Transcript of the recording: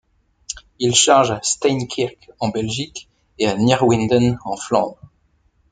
Il charge à Steinkerque en Belgique et à Neerwinden en Flandres.